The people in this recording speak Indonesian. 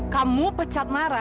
kamu pecat nara